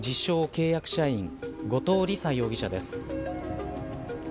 契約社員後藤理佐容疑者です。